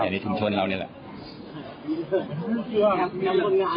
ในส่วนเราเนี่ยแหละ